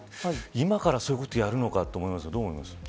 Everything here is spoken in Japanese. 今から、そういうことをやるのかと思いますが、どう思いますか。